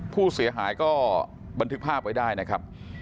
ผู้เสียหายก็บันทึกภาพไว้ได้นะครับ